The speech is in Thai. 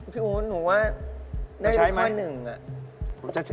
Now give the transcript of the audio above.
พี่อู๋หนูว่าได้วิเคราะห์๑